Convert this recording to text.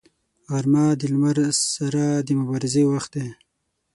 غرمه د لمر سره د مبارزې وخت دی